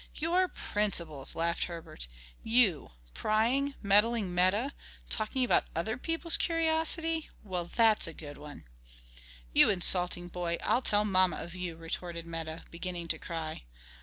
"Your principles!" laughed Herbert "You, prying, meddling Meta; talking about other people's curiosity! Well, that's a good one!" "You insulting boy! I'll tell mamma of you," retorted Meta, beginning to cry.